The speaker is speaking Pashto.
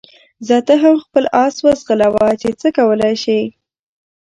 ځه ته هم خپل اس وځغلوه چې څه کولای شې.